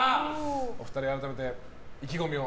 お二人、改めて意気込みを。